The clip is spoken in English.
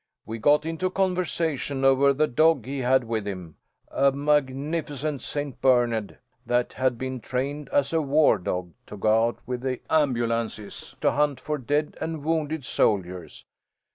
"We got into conversation over the dog he had with him a magnificent St. Bernard, that had been trained as a war dog, to go out with the ambulances to hunt for dead and wounded soldiers.